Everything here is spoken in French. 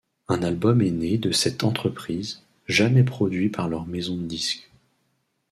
Un album est né de cette entreprise, jamais produit par leur maison de disques.